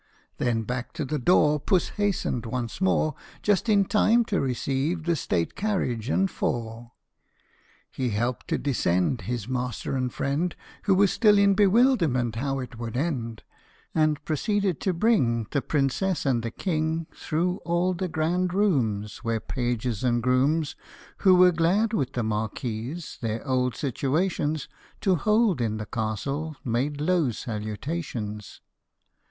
Then back to the door Puss hastened once more, Just in time to receive the state carriage and four. He helped to descend His master and friend, Who was still in bewilderment how it would end, And proceeded to bring The Princess and the King Through all the grand rooms, Where pages and grooms Who were glad with the Marquis their old situations To hold in the castle made low salutations.